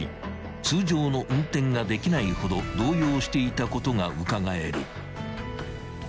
［通常の運転ができないほど動揺していたことがうかがえる］